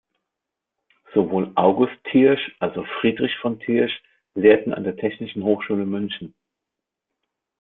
Sowohl August Thiersch als auch Friedrich von Thiersch lehrten an der Technischen Hochschule München.